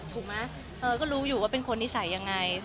ถูกไหมก็รู้อยู่ว่าเป็นคนนิสัยยังไง